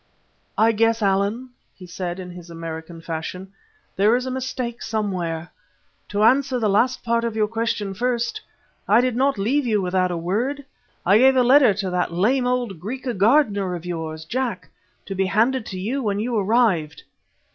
"I guess, Allan," he said in his American fashion, "there is a mistake somewhere. To answer the last part of your question first, I did not leave you without a word; I gave a letter to that lame old Griqua gardener of yours, Jack, to be handed to you when you arrived."